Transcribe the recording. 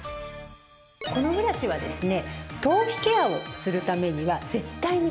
このブラシはですね